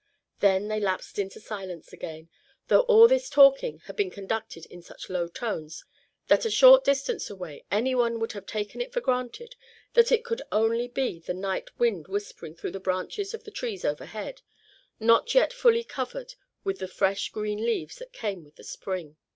Then they lapsed into silence again; though all this talking had been conducted in such low tones, that a short distance away any one would have taken it for granted that it could only be the night wind whispering through the branches of the trees overhead, not yet fully covered with the fresh green leaves that came with the spring.